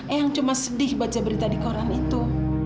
eang cuma sedih baca berita di koran itu